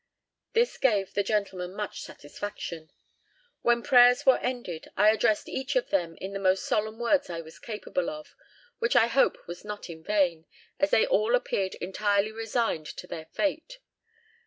This gave the gentleman much satisfaction. When prayers were ended, I addressed each of them in the most solemn words I was capable of, which I hope was not in vain, as they all appeared entirely resigned to their fate.